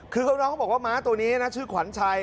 คือน้องเขาบอกว่าม้าตัวนี้นะชื่อขวัญชัย